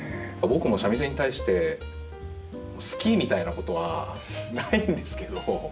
僕も三味線に対して「好き」みたいなことはないんですけど。